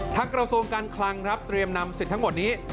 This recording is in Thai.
กระทรวงการคลังครับเตรียมนำสิทธิ์ทั้งหมดนี้